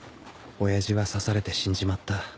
親父は刺されて死んじまった。